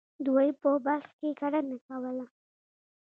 دوی په بلخ کې کرنه کوله.